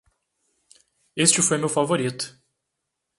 Este foi o meu favorito!